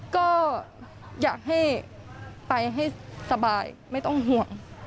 ก็อยากให้ไปให้สบายไม่ต้องห่วง